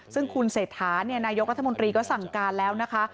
ซึ่งคุณเศรษฐานายกรัฐมนตรีก็สั่งการแล้วนะคะ